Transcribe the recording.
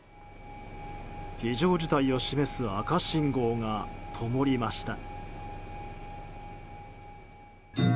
非常事態を示す赤信号がともりました。